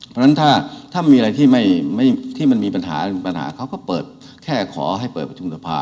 เพราะฉะนั้นถ้ามีอะไรที่ไม่มีปัญหาเขาก็เปิดสมมุติ